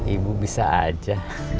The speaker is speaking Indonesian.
ibu bisa aja